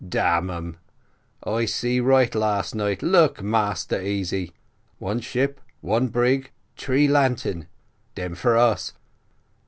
"Dam um, I see right last night; look, Massa Easy one chip, one brig tree lateen dem for us.